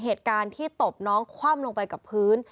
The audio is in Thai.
เหตุการณ์ที่ตบน้องคว่ำลงไปกับพื้น